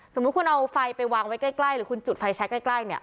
สมมุติคุณเอาไฟไปวางไว้ใกล้หรือคุณจุดไฟแชคใกล้เนี่ย